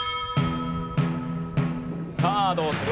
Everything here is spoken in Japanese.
さあどうする？